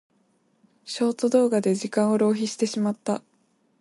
ショート動画で時間を浪費してしまった。